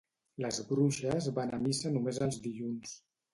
Les bruixes van a missa només els dilluns.